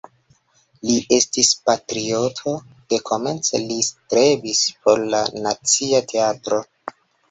Li estis patrioto, dekomence li strebis por la Nacia Teatro.